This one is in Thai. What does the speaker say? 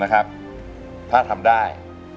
นะครับถ้าทำได้